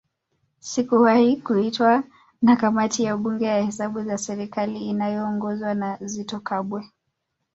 Sikuwahi kuitwa na Kamati ya Bunge ya Hesabu za serikali inayoongozwa na Zitto Kabwe